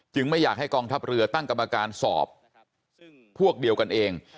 ไม่อยากให้กองทัพเรือตั้งกรรมการสอบพวกเดียวกันเอง